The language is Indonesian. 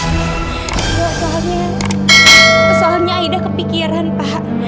soalnya soalnya aida kepikiran pak